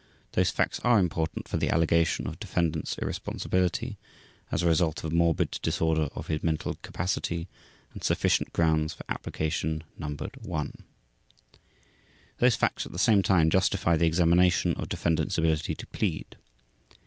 Those facts are important for the allegation of Defendant's irresponsibility as a result of morbid disorder of his mental capacity, and sufficient grounds for application numbered I. Those facts at the same time justify the examination of defendant's ability to plead.